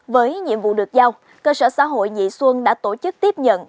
với nhiệm vụ được giao cơ sở xã hội nhị xuân đã tổ chức tiếp nhận